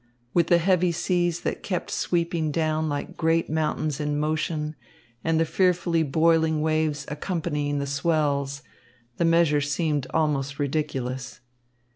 With the heavy seas that kept sweeping down like great mountains in motion and the fearfully boiling waves accompanying the swells, the measure seemed almost ridiculous.